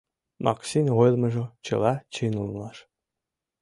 Максин ойлымыжо чыла чын улмаш.